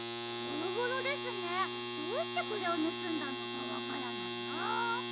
ボロボロですねどうしてこれをぬすんだのかわからないな。